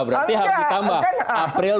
berarti ditambah april dua ribu sembilan belas